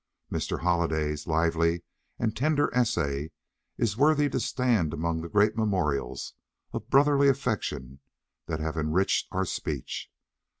Mr. Holliday's lively and tender essay is worthy to stand among the great memorials of brotherly affection that have enriched our speech.